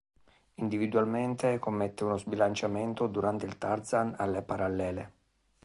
Individualmente commette uno sbilanciamento durante il tarzan alle parallele.